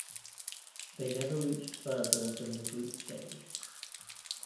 They never reached further than the Group Stage.